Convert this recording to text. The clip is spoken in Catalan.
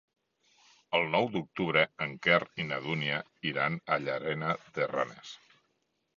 El nou d'octubre en Quer i na Dúnia iran a Llanera de Ranes.